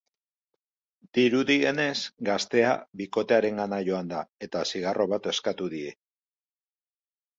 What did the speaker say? Dirudienez, gaztea bikotearengana joan da, eta zigarro bat eskatu die.